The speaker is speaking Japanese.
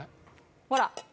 ほら。